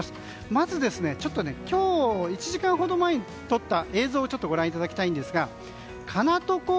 まず今日１時間ほど前に撮った映像をご覧いただきたいんですがかなとこ